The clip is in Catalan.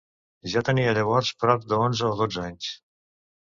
Jo tenia llavors prop d'onze o dotze anys.